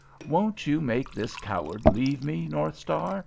Won't you make this coward leave me, North Star?